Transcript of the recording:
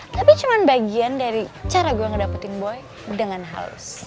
tapi cuma bagian dari cara gue ngedapetin boy dengan halus